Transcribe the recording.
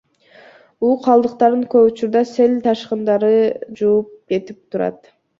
Уу калдыктарын көп учурда сел менен ташкындар жууп кетип турат.